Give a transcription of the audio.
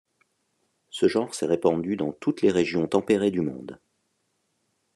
Ce genre s'est répandu dans toutes les régions tempérées du monde.